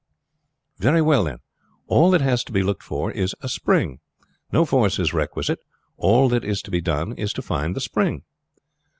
"Very well then; all that has to be looked for is a spring. No force is requisite; all that is to be done is to find the spring."